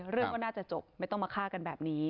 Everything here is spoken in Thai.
เรื่องก็น่าจะจบไม่ต้องมาฆ่ากันแบบนี้